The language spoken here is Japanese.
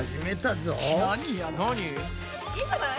いいんじゃない？